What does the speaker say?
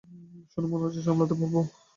শুনে মনে হচ্ছে সহজেই সামলাতে পারব।